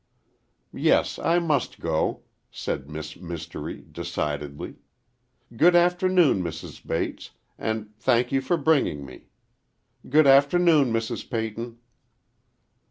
"Yes, I must go," said Miss Mystery, decidedly. "Good afternoon, Mrs. Bates, and thank you for bringing me. Good afternoon, Mrs. Peyton."